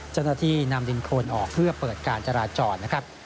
เจ้าหน้าที่นำดินโคนออกเพื่อเปิดการจราจรนะครับ